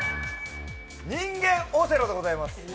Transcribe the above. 人間オセロでございます。